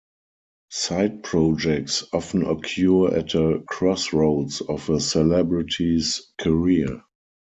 Side projects often occur at a crossroads of a celebrity's career.